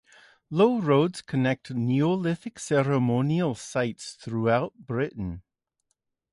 Low roads connect Neolithic ceremonial sites throughout Britain.